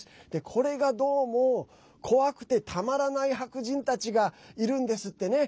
これがどうも怖くてたまらない白人たちがいるんですってね。